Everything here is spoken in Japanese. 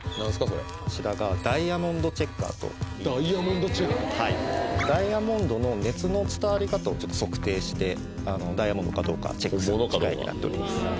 それこちらがダイヤモンドチェッカーダイヤモンドの熱の伝わり方を測定してダイヤモンドかどうかチェックする機械になっております